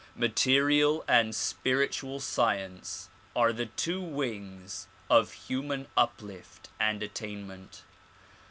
Ma terial and spiritual science are the two wings of human uplift and attainment.